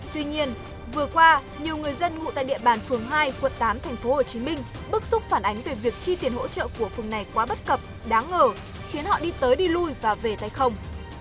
tuy nhiên vừa qua nhiều người dân ngụ tại địa bàn phường hai quận tám tp hcm bức xúc phản ánh về việc chi tiền hỗ trợ của phường này quá bất cập đáng ngờ khiến họ đi tới đi lui và về tay không